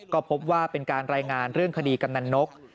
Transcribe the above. ก็พบว่าเป็นการรายงานเรื่องคดีกำนันนก